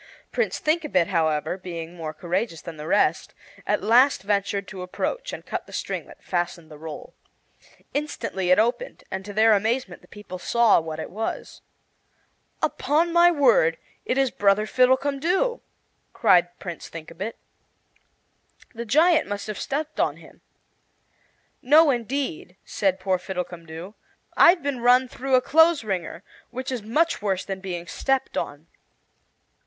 Prince Thinkabit, however, being more courageous than the rest, at last ventured to approach and cut the string that fastened the roll. Instantly it opened, and to their amazement the people saw what it was. "Upon my word, it is brother Fiddlecumdoo!" cried Prince Thinkabit. "The giant must have stepped on him." "No, indeed," said poor Fiddlecumdoo, "I've been run through a clothes wringer, which is much worse than being stepped on."